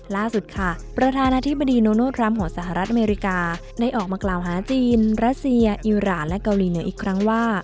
ล่าสุดค่ะประธานาธิบดีโนทรัมป์ของสหรัฐอเมริกาได้ออกมากล่าวหาจีนรัสเซียอิราณและเกาหลีเหนืออีกครั้งว่า